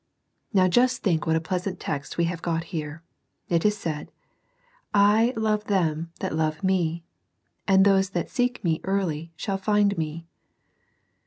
Now just think what a pleasant text we have got here : it is said,—" I love them that love Me; and those that seek Me early shall find Me."